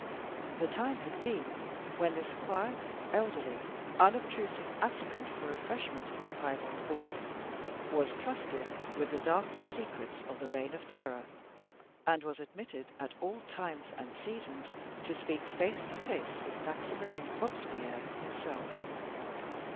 The time had been when this quiet, elderly, unobtrusive applicant for refreshment at the Piebald House was trusted with the darkest secrets of the Reign of Terror, and was admitted at all times and seasons to speak face to face with Maximilian Robespierre himself.